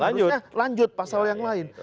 harusnya lanjut pasal yang lain